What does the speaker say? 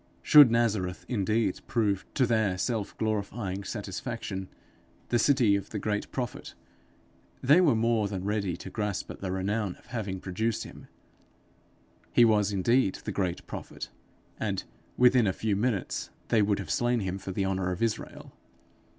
Should Nazareth indeed prove, to their self glorifying satisfaction, the city of the great Prophet, they were more than ready to grasp at the renown of having produced him: he was indeed the great Prophet, and within a few minutes they would have slain him for the honour of Israel.